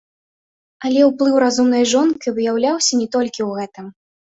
Але ўплыў разумнай жонкі выяўляўся не толькі ў гэтым.